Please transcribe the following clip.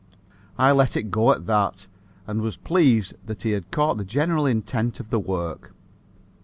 I let it go at that and was pleased that he had caught the general intent of the work.